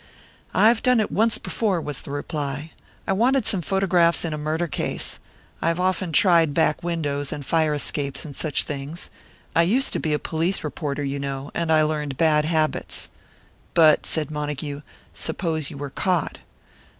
"I've done it once before," was the reply. "I wanted some photographs in a murder case. I've often tried back windows, and fire escapes, and such things. I used to be a police reporter, you know, and I learned bad habits." "But," said Montague, "suppose you were caught?"